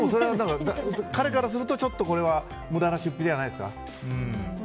彼からすると、ちょっとこれは無駄な出費なんじゃないんですか？